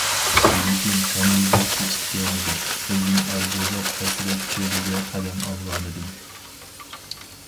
لېكىن، ھەممىگە كېچىككەنىدىم، ئۆزۈم ئارزۇلاپ ھەسرەت چۆلىگە قەدەم ئالغانىدىم.